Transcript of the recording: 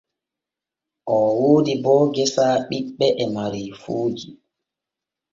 Oo woodi bo gesa ɓiɓɓe e mareefuuji.